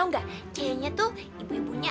kayanya tuh ibu ibunya